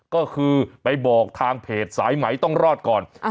ก็คือไปบอกทางเพจสายไหมต้องรอดก่อน